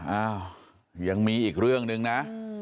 อ้าวยังมีอีกเรื่องหนึ่งนะ